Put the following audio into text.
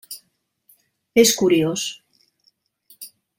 És curiós.